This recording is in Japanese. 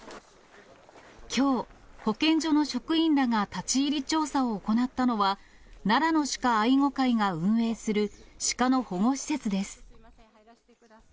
きょう、保健所の職員らが立ち入り調査を行ったのは、奈良の鹿愛護会が運営するシカの保護施設です。